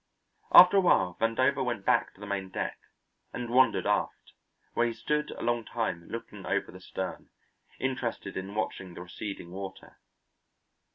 After a while Vandover went back to the main deck and wandered aft, where he stood a long time looking over the stern, interested in watching the receding water.